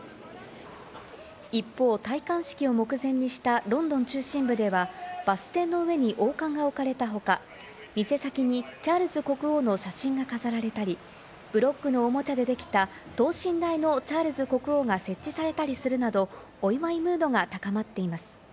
一方、戴冠式を目前にしたロンドン中心部では、バス停の上に王冠が置かれたほか、店先にチャールズ国王の写真が飾られたり、ブロックのおもちゃでできた等身大のチャールズ国王が設置されたりするなど、お祝いムードが高まっています。